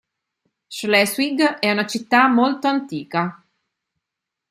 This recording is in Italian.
Schleswig è una città molto antica.